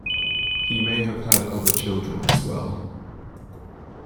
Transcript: He may have had other children as well.